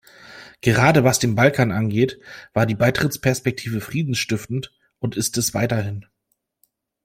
Gerade was den Balkan angeht, war die Beitrittsperspektive friedensstiftend und ist es weiterhin.